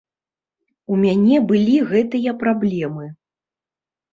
У мяне былі гэтыя праблемы.